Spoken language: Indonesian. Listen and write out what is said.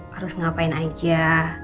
harus ngapain aja